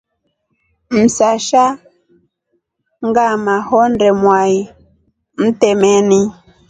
Msasha ngama honde mwai mtemeni.